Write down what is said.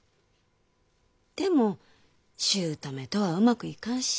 でも姑とはうまくいかんし。